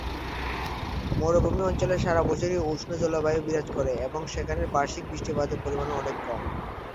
মরুভূমি অঞ্চলে সারা বছরই উষ্ণ জলবায়ু বিরাজ করে এবং এখানে বার্ষিক বৃষ্টিপাতের পরিমান ও অনেক কম।